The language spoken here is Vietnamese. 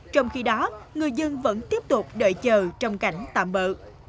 trong khi đó người dân vẫn tiếp tục đợi chờ trong cảnh tạm bỡ